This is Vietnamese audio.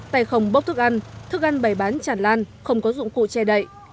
tay không bốc thức ăn thức ăn bày bán chản lan không có dụng cụ che đậy